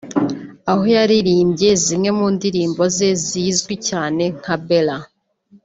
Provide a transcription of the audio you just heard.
aho yaririmbye zimwe mundirimbo ze zizwi cyane nka Bella